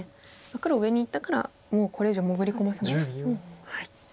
黒上にいったからもうこれ以上潜り込ませないと。